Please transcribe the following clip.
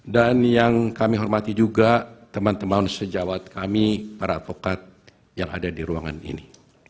dan yang kami hormati juga teman teman sejawat kami para advokat yang ada di ruangan ini